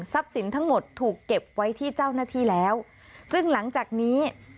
สินทั้งหมดถูกเก็บไว้ที่เจ้าหน้าที่แล้วซึ่งหลังจากนี้